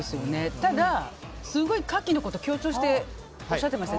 ただ、すごいカキのこと強調しておっしゃっていましたよ。